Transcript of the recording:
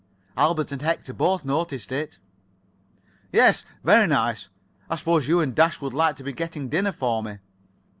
Albert and Hector both noticed it." "Yes, very nice. I suppose you and Dash would like to be getting dinner for me."